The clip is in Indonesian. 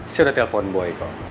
saya udah telepon boy om